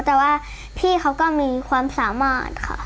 แต่ว่าพี่เขาก็มีความสามารถค่ะ